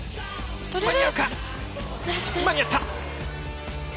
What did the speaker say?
間に合った！